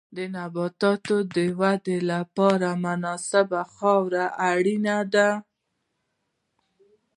د نباتاتو د ودې لپاره مناسبه خاوره اړینه ده.